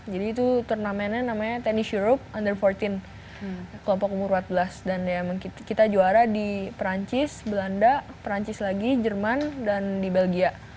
jadi itu turnamennya namanya tennis europe under empat belas kelompok umur empat belas dan ya emang kita juara di perancis belanda perancis lagi jerman dan di belgia